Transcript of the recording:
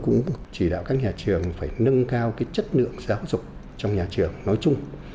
cũng chỉ đạo các nhà trường phải nâng cao chất lượng giáo dục trong nhà trường nói chung